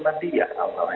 beliau kan ulama